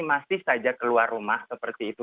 masih saja keluar rumah seperti itu